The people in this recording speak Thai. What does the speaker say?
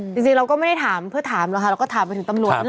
จริงเราก็ไม่ได้ถามเพื่อถามหรอกค่ะเราก็ถามไปถึงตำรวจ